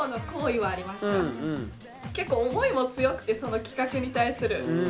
結構思いも強くてその企画に対する。